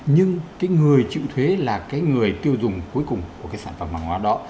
nhưng người chịu thuế là người tiêu dùng cuối cùng của sản phẩm hàng hóa đó